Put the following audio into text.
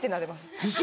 ウソ！